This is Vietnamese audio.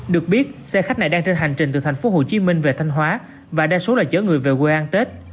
được biết xe khách này đang trên hành trình từ thành phố hồ chí minh về thanh hóa và đa số là chở người về quê an tết